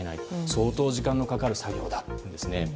相当時間のかかる作業だというんですね。